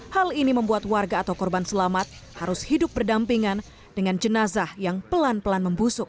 hal ini membuat warga atau korban selamat harus hidup berdampingan dengan jenazah yang pelan pelan membusuk